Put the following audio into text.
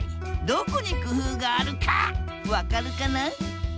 どこに工夫があるか分かるかな？